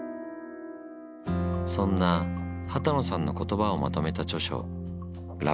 そんな幡野さんの言葉をまとめた著書「ラブレター」。